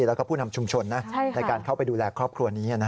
แล้วก็ผู้นำชุมชนในการเข้าไปดูแลครอบครัวนี้